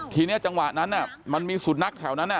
ทีนี้จังหวะนั้นมันมีสุนัขแถวนั้น